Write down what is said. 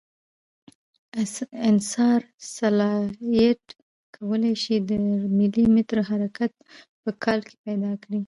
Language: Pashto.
انسار سټلایټ کوای شي تر ملي متر حرکت په کال کې پیدا کړي